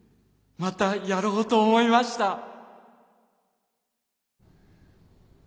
またやろうと思いました